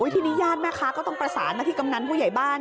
ทีนี้ญาติแม่ค้าก็ต้องประสานมาที่กำนันผู้ใหญ่บ้าน